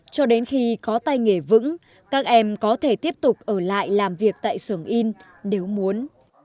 cho đến khi có tay nghề vững các em có thể tiếp tục ở lại làm việc tại sưởng in nếu muốn